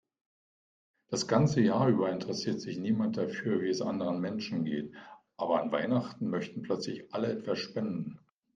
Das ganze Jahr über interessiert sich niemand dafür, wie es anderen Menschen geht, aber an Weihnachten möchten plötzlich alle etwas spenden.